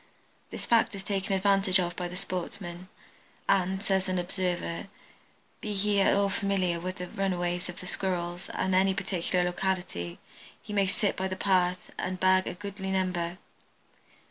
This fact is taken advantage of by the sportsmen, and, says an observer, be he at all familiar with the runways of the Squirrels at any particular locality he may sit by the path and bag a goodly number.